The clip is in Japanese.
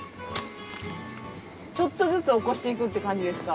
ちょっとずつ起こしていくって感じですか？